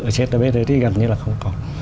ở trên ở bên đấy thì gần như là không còn